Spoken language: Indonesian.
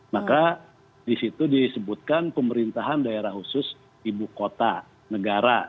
maka disitu disebutkan pemerintahan daerah khusus ibu kota negara